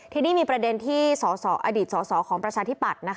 ทีนี้มีประเด็นที่อดีตสอสอของประชาธิปัตย์